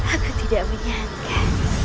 aku tidak menyangka